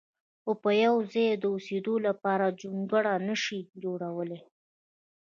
خو په یو ځای د اوسېدلو لپاره جونګړه نه شي جوړولی.